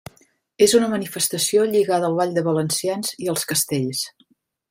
És una manifestació lligada al ball de valencians i als castells.